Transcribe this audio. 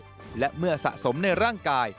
จะป้องกันได้และเมื่อสะสมในร่างกาย